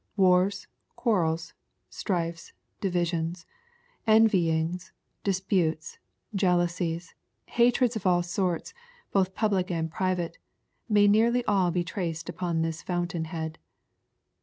Wars, quarrels, strifes, divisions, envyings, disputes, jealousies, hatreds of all sorts, both public and private, may nearly all be traced up to this fountain head.